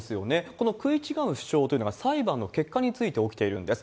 この食い違う主張というのが、裁判の結果について起きているんです。